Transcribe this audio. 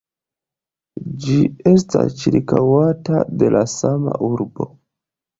Ĝi estas ĉirkaŭata de la sama urbo.